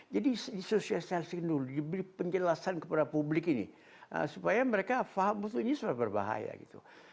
jadi di sosialisasi dulu diberi penjelasan kepada publik ini supaya mereka paham ini sudah berbahaya gitu